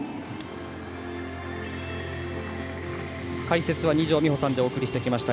解説は二條実穂さんでお送りしてきました。